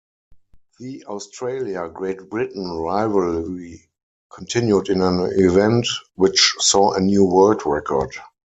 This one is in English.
The Australia-Great Britain rivalry continued in an event which saw a new world record.